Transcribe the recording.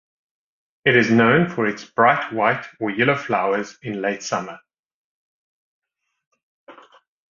It is known for its bright white or yellow flowers in late summer.